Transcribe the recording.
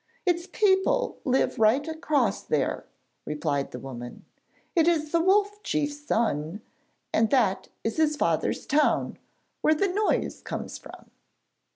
'Its people live right across there,' replied the woman. 'It is the Wolf Chief's son, and that is his father's town where the noise comes from.'